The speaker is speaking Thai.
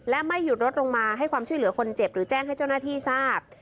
และไม่หยุดรถลงมาให้ความช่วยเหลือคนเจ็บหรือแจ้งให้เจ้าหน้าที่ทราบ